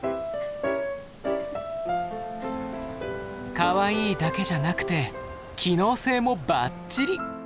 かわいいだけじゃなくて機能性もばっちり。